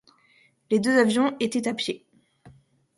Les deux avions étaient à pieds.